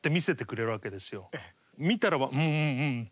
見たら「うんうんうん」って。